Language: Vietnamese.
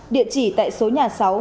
địa chỉ tại số nhà sáu